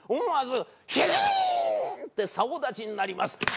思わずヒヒーン！ってさお立ちになります。